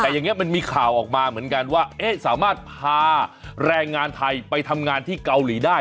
แต่อย่างนี้มันมีข่าวออกมาเหมือนกันว่าสามารถพาแรงงานไทยไปทำงานที่เกาหลีได้